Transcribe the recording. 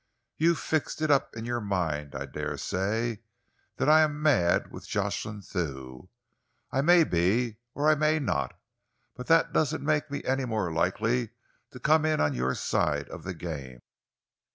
You've fixed it up in your mind, I dare say, that I am mad with Jocelyn Thew. I may be or I may not, but that doesn't make me any the more likely to come in on your side of the game."